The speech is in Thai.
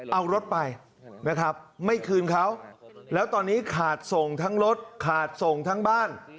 เอารถไปนะครับไม่คืนเขาแล้วตอนนี้ขาดส่งทั้งรถขาดส่งทั้งบ้าน